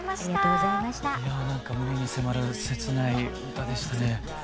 いや何か胸に迫る切ない歌でしたね。